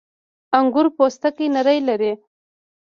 • انګور پوستکی نری لري.